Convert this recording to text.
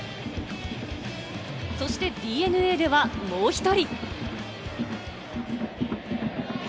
そしてＤｅＮＡではもう１人。